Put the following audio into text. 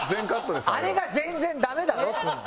あれが全然ダメだろっつうの。